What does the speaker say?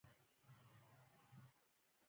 کله چې هغه اورنج سيمې ته ولاړ يو هوډ يې درلود.